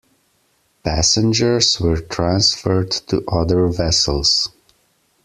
Passengers were transferred to other vessels.